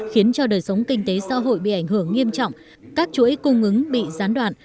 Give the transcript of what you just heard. khiến cho đời sống kinh tế xã hội bị ảnh hưởng nghiêm trọng các chuỗi cung ứng bị gián đoạn